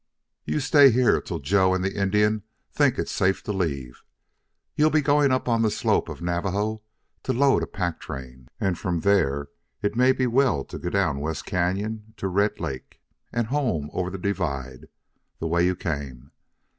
You stay here till Joe and the Indian think it safe to leave. You'll be going up on the slope of Navajo to load a pack train, and from there it may be well to go down West Cañon to Red Lake, and home over the divide, the way you came.